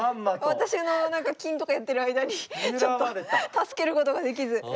私の何か金とかやってる間にちょっと助けることができず。